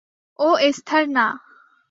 ও Esther না!